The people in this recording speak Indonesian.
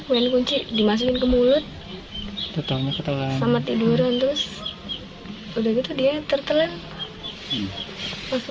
main kunci dimasukin ke mulut sama tiduran terus udah gitu dia tertelan masuk